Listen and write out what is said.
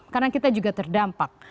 karena kita juga terdampak